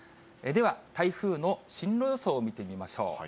では台風の進路予想を見てみましょう。